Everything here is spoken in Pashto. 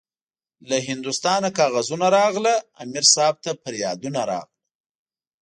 له هندوستانه کاغذونه راغله- امیر صاحب ته پریادونه راغله